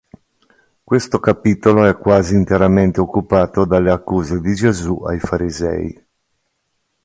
Questo capitolo è quasi interamente occupato dalle accuse di Gesù ai farisei.